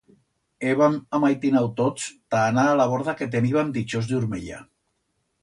Hébam amaitinau tots ta anar a la borda que teníbam dichós de Urmella.